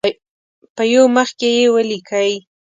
په یو مخ کې یې ولیکئ.